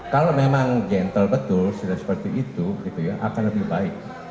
kalau memang gentle betul sudah seperti itu akan lebih baik